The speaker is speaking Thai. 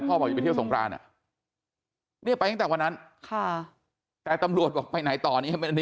บอกอย่าไปเที่ยวสงครานอ่ะเนี่ยไปตั้งแต่วันนั้นค่ะแต่ตำรวจบอกไปไหนต่อเนี่ย